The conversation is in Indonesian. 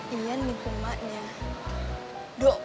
ian nipu emaknya